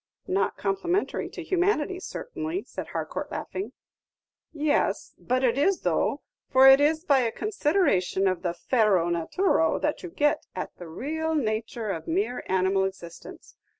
"Not complimentary to humanity, certainly," said Harcourt, laughing. "Yes, but it is, though; for it is by a consideration of the fero naturo that you get at the raal nature of mere animal existence.